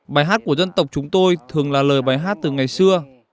bài hát của dân tộc chúng tôi thường là lời bài hát từ ngày xưa